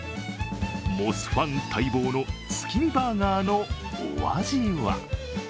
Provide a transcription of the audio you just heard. モスファン待望の月見バーガーのお味は？